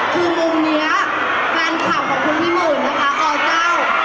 คือมุมนี้แฟนคลับของคุณพี่หมื่นนะคะอเจ้า